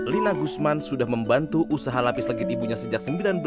lina gusman sudah membantu usaha lapis legit ibunya sejak seribu sembilan ratus sembilan puluh